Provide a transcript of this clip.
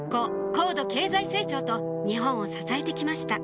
高度経済成長と日本を支えて来ました